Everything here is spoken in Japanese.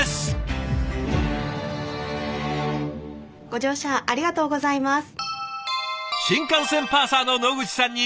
ご乗車ありがとうございます。